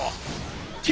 Ｔ！